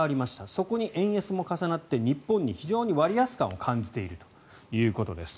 そこに円安も重なって日本に非常に割安感を感じているということです。